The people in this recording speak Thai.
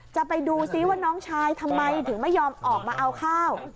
จะไปดูซิว่าน้องชายทำไมถึงไม่ยอมออกมาเอาข้าว